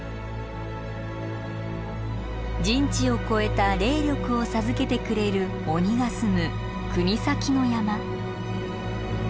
人知を超えた霊力を授けてくれる鬼が棲む国東の山。